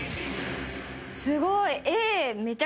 すごい！